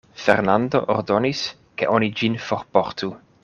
Fernando ordonis, ke oni ĝin forportu.